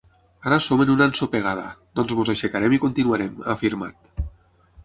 Ara som en una ensopegada, doncs ens aixecarem i continuarem, ha afirmat.